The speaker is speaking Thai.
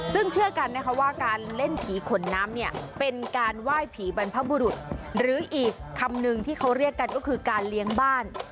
ซึ่งเชื่อกันนะคะว่าการเล่นผีขนน้ำเนี่ยเป็นการไหว้ผีบรรพบุรุษหรืออีกคำนึงที่เขาเรียกกันก็คือการเลี้ยงบ้าน